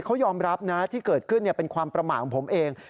เขายอมรับนะที่เกิดขึ้นเป็นความประมาทของผมเอง